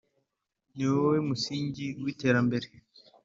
Ni wowe musingi w’iterambere